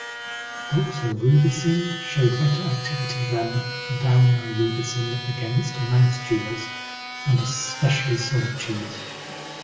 Doxorubicin showed better activity than daunorubicin against mouse tumors, and especially solid tumors.